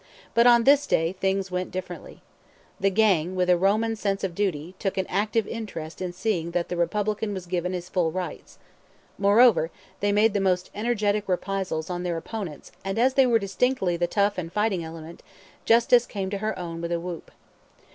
But on this day things went differently. The gang, with a Roman sense of duty, took an active interest in seeing that the Republican was given his full rights. Moreover, they made the most energetic reprisals on their opponents, and as they were distinctly the tough and fighting element, justice came to her own with a whoop.